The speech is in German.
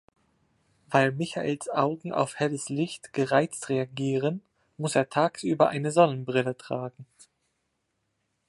Weil Michaels Augen auf helles Licht gereizt reagieren, muss er tagsüber eine Sonnenbrille tragen.